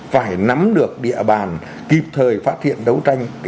phải nắm được địa bàn kịp thời phát hiện đấu tranh